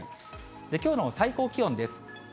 きょうの最高気温です。